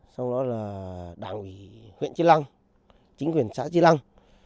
sau đó là đảng ủy huyện chi lăng chính quyền xã chi lăng